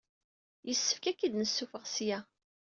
Yessefk ad k-id-nessuffeɣ ssya.